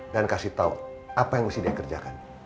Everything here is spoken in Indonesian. dan kasih tau apa yang mesti dia kerjakan